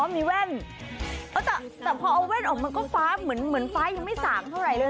มีแว่นแต่พอเอาแว่นออกมาก็ฟ้าเหมือนฟ้ายังไม่สางเท่าไหร่เลย